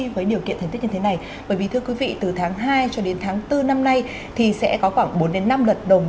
với điều kiện thành tích như thế này bởi vì thưa quý vị từ tháng hai cho đến tháng bốn năm nay thì sẽ có khoảng bốn đến năm lượt đồng